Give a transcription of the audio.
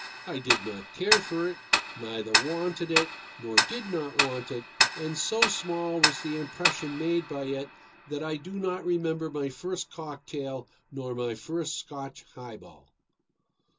I did not care for it, neither wanted it nor did not want it, and so small was the impression made by it that I do not remember my first cocktail nor my first Scotch highball.